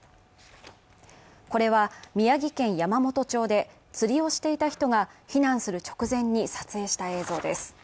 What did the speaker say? これは、宮城県山元町で釣りをしていた人が避難する直前に撮影した映像です。